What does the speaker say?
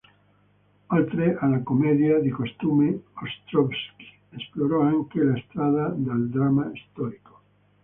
Oltre alla commedia di costume, Ostrovskij esplorò anche la strada del dramma storico.